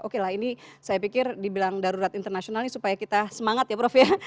oke lah ini saya pikir dibilang darurat internasional ini supaya kita semangat ya prof ya